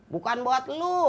bukan buat lo